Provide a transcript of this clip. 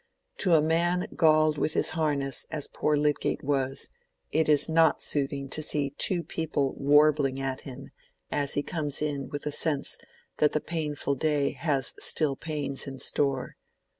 To a man galled with his harness as poor Lydgate was, it is not soothing to see two people warbling at him, as he comes in with the sense that the painful day has still pains in store.